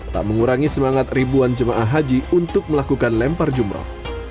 tak mengurangi semangat ribuan jemaah haji untuk melakukan lempar jumroh